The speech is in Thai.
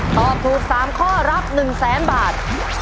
ตอบถูกสามข้อรับ๑๐๐๐๐๐บาท